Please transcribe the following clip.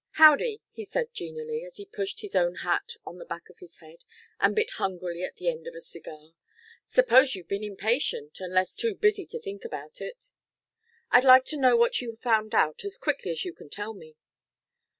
"Howdy," he said genially, as he pushed his own hat on the back of his head and bit hungrily at the end of a cigar. "Suppose you've been impatient unless too busy to think about it." "I'd like to know what you've found out as quickly as you can tell me."